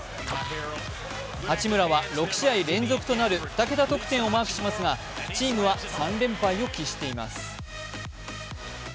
八村は６試合連続となる２桁得点をマークしますがチームは３連敗を喫しています。